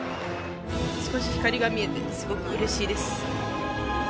少し光が見えてすごくうれしいです。